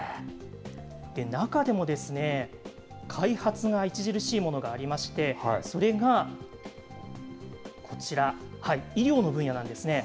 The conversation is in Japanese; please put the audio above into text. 中でも、開発が著しいものがありまして、それが、こちら、医療の分野なんですね。